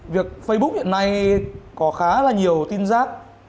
facebook hiện nay có khá là nhiều tin giác